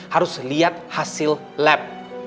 harus lihat hasil lab